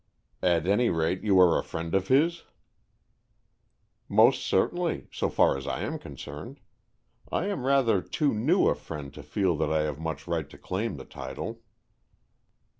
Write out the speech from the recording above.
"At any rate, you are a friend of his?" "Most certainly, so far as I am concerned. I am rather too new a friend to feel that I have much right to claim the title."